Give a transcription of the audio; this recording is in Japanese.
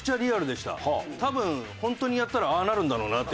多分本当にやったらああなるんだろうなって。